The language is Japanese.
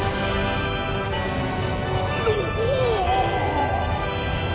おお！